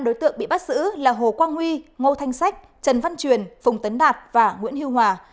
năm đối tượng bị bắt giữ là hồ quang huy ngô thanh sách trần văn truyền phùng tấn đạt và nguyễn hưu hòa